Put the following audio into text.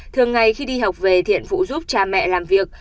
thường ngày khi đi học về thiện phụ giúp cha mẹ làm việc